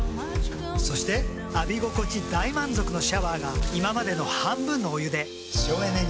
そして浴び心地大満足のシャワーが今までの半分のお湯で省エネに。